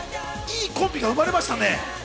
いいコンビが生まれました。